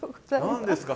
何ですか？